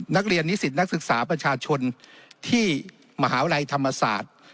นิสิตนักศึกษาประชาชนที่มหาวิทยาลัยธรรมศาสตร์